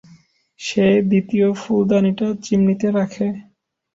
সে দ্বিতীয় ফুলদানিটা চিমনিতে রাখে।